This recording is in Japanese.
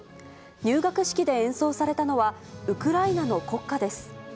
入学式で演奏されたのは、ウクライナの国歌です。